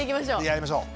やりましょう！